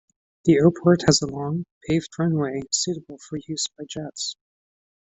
The airport has a long, paved runway, suitable for use by jets.